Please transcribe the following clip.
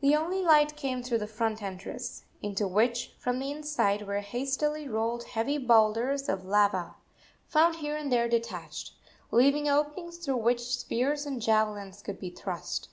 The only light came through the front entrance, into which, from the inside, were hastily rolled heavy boulders of lava, found here and there detached, leaving openings through which spears and javelins could be thrust.